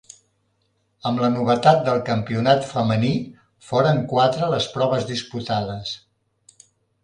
Amb la novetat del Campionat femení, foren quatre les proves disputades.